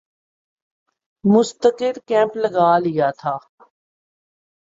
مستقل کیمپ لگا لیا تھا